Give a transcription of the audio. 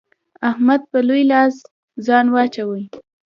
احمد په لوی لاس ځان واچاوو.